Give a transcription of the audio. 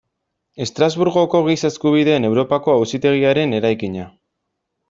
Estrasburgoko Giza Eskubideen Europako Auzitegiaren eraikina.